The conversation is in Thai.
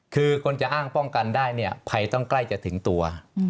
คือคนจะอ้างป้องกันได้เนี่ยภัยต้องใกล้จะถึงตัว